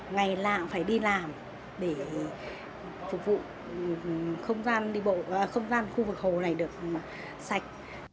ngày lạ phải đi làm để phục vụ không gian khu vực hồ này được sạch